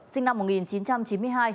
sinh năm một nghìn chín trăm chín mươi hai